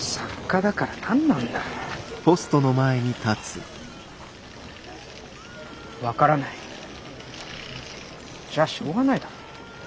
分からないじゃあしょうがないだろ。